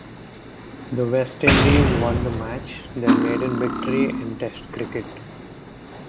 The West Indies won the match, their maiden victory in Test cricket.